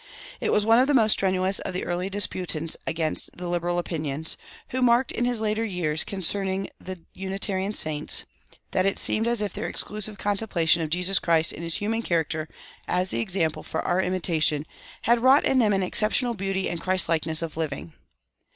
It was one of the most strenuous of the early disputants against the "liberal" opinions[227:1] who remarked in his later years, concerning the Unitarian saints, that it seemed as if their exclusive contemplation of Jesus Christ in his human character as the example for our imitation had wrought in them an exceptional beauty and Christlikeness of living.